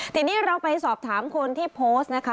ทีนี้เราไปสอบถามคนที่โพสต์นะคะ